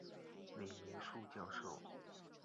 李梅树教授